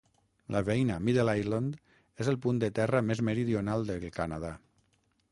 La veïna Middle Island és el punt de terra més meridional del Canadà.